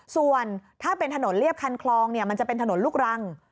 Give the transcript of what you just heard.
ส่วนถ้าเป็นถนนเรียบคันคลองมันจะเป็นถนนลูกรัง